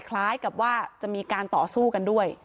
คล้ายกับว่าจะมีการต่อสู้กันด้วย